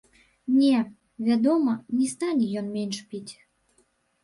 Не, вядома, не стане ён менш піць.